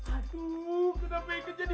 aku seorang jelajah